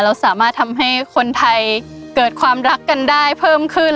เราสามารถทำให้คนไทยเกิดความรักกันได้เพิ่มขึ้น